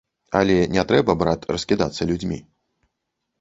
Але не трэба, брат, раскідацца людзьмі.